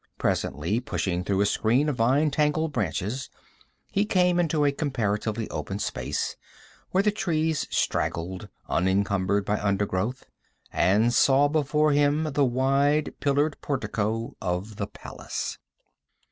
Presently, pushing through a screen of vine tangled branches, he came into a comparatively open space where the trees straggled, unencumbered by undergrowth, and saw before him the wide, pillared portico of the palace.